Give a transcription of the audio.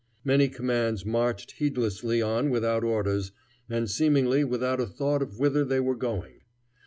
Many commands marched heedlessly on without orders, and seemingly without a thought of whither they were going.